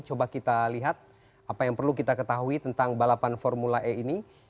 coba kita lihat apa yang perlu kita ketahui tentang balapan formula e ini